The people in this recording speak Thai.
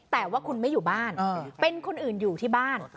แต่ว่าคุณไม่อยู่บ้านเป็นคนอื่นอยู่ที่บ้าน